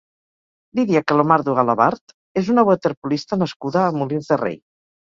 Lídia Calomardo Alabart és una waterpolista nascuda a Molins de Rei.